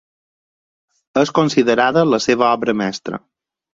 És considerada la seva obra mestra.